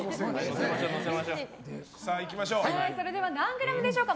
それでは何グラムでしょうか。